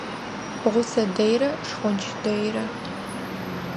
Гъусэ дэйрэ, шхонч дэйрэ.